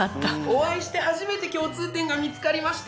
お会いして初めて共通点が見つかりました。